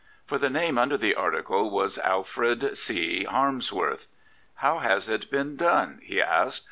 For the name under the article was " Alfred C. Harmsworth." " How has it been done? " he asked.